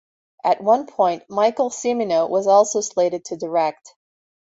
At one point, Michael Cimino was also slated to direct.